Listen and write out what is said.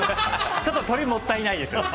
ちょっと鳥もったいないです。